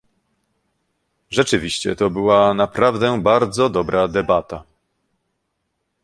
Rzeczywiście to była naprawdę bardzo dobra debata